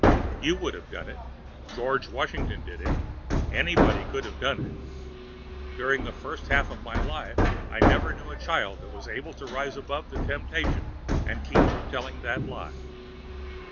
You would have done it; George Washington did it, anybody would have done it. During the first half of my life I never knew a child that was able to rise above that temptation and keep from telling that lie.